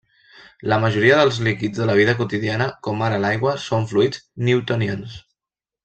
La majoria dels líquids de la vida quotidiana, com ara l'aigua, són fluids newtonians.